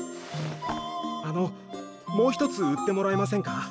あのもう一つ売ってもらえませんか？